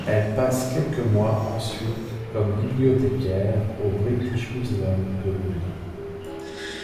Elle passe quelques mois ensuite comme bibliothécaire au British Museum de Londres.